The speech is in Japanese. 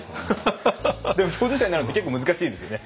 でも共事者になるって結構難しいですよね